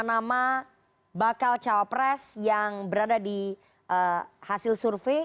nama nama bakal calon pres yang berada di hasil survei